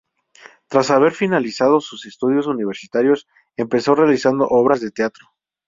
Tras haber finalizado sus estudios universitarios empezó realizando obras de teatro.